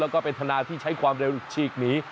แล้วก็เป็นธนาที่ใช้ความเร็วฉีกหนี